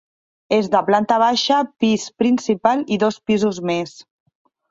És de planta baixa, pis principal i dos pisos més.